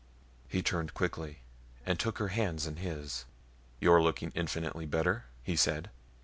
He turned quickly and took her hands in his. "You're looking infinitely better," he said.